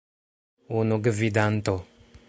Unu gvidanto!